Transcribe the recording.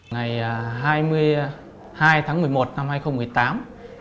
ngày hai mươi hai tháng một mươi một năm hai nghìn một mươi tám